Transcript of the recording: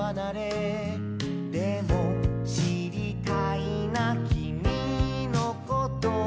「でもしりたいなきみのこと」